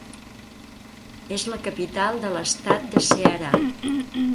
És la capital de l'estat del Ceará.